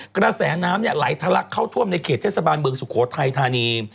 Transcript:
กระแสน้ำไหลทะลักเข้าท่วมในเขตเทศบาลเมืองสุโขทัยธานี